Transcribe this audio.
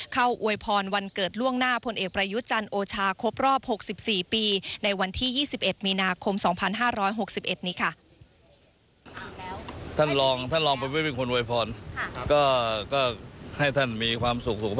อวยพรวันเกิดล่วงหน้าพลเอกประยุทธ์จันทร์โอชาครบรอบ๖๔ปีในวันที่๒๑มีนาคม๒๕๖๑นี้ค่ะ